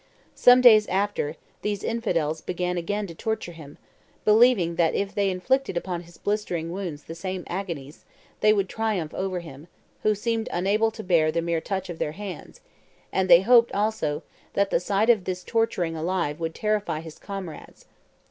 ... Some days after, these infidels began again to torture him, believing that if they inflicted upon his blistering wounds the same agonies, they would triumph over him, who seemed unable to bear the mere touch of their hands; and they hoped, also, that the sight of this torturing alive would terrify his comrades.